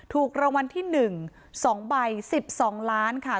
ถูกรางวัลที่หนึ่งสองใบสิบสองล้านค่ะ